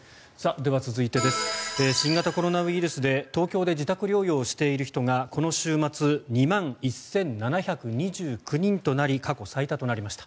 では、続いて新型コロナウイルスで東京で自宅療養をしている人がこの週末、２万１７２９人になり過去最多となりました。